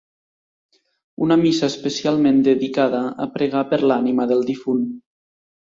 Una missa especialment dedicada a pregar per l'ànima del difunt.